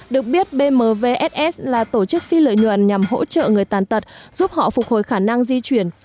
được biết bmvss là tổ chức phi lợi nhuận nhằm hỗ trợ người tàn tật giúp họ phục hồi khả năng di chuyển